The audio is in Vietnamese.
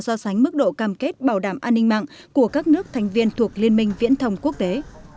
so sánh mức độ cam kết bảo đảm an ninh mạng của các nước thành viên thuộc liên minh viễn thông quốc tế